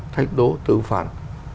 thách đố tư phản